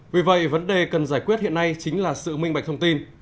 vì vậy vấn đề cần giải quyết hiện nay chính là sự minh bạch thông tin